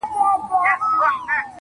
o خر چي پر دانه مړ سي، شهيد دئ!